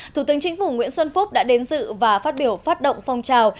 thủ tướng chính phủ nguyễn xuân phúc đã đến dự và phát biểu phát động phong trào